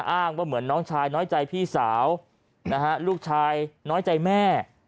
อ้างว่าเหมือนน้องชายน้อยใจพี่สาวนะฮะลูกชายน้อยใจแม่